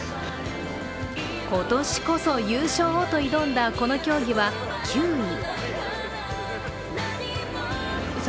今年こそ優勝を！と挑んだこの競技は９位。